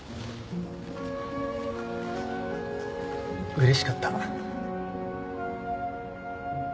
うれしかった。